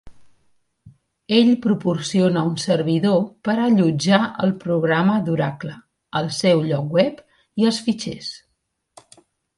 Ell proporciona un servidor per allotjar el programa d'Oracle, el seu lloc web i els fitxers.